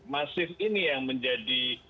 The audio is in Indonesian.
masif ini yang menjadi